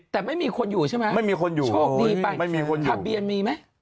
แต่ไม่มีคนอยู่ใช่ไหมโชคดีไปถัดเบียนมีไหม